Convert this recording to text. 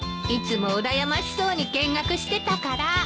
いつもうらやましそうに見学してたから。